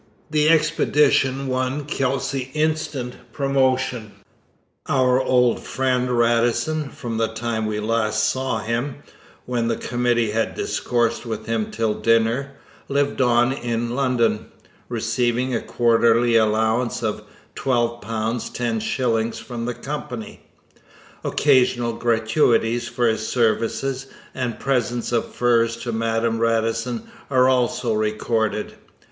The expedition won Kelsey instant promotion. Our old friend Radisson, from the time we last saw him when 'the Committee had discourse with him till dinner' lived on in London, receiving a quarterly allowance of £12 10s. from the Company; occasional gratuities for his services, and presents of furs to Madame Radisson are also recorded.